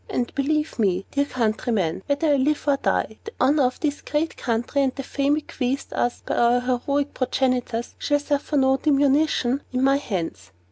And believe me, dear countrymen, whether I live or die, the honor of this great country, and the fame bequeathed us by our heroic progenitors, shall suffer no diminution in my hands.